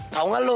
tau gak lo